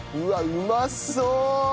うまそう！